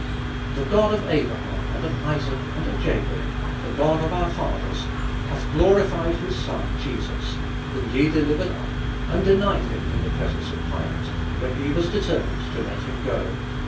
"The God of Abraham, and of Isaac, and of Jacob, the God of our fathers, hath glorified his son Jesus; whom ye delivered up, and denied him in the presence of Pilate, when he was determined to let him go.